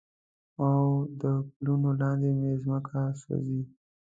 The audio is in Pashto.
او د پلونو لاندې مې مځکه سوزي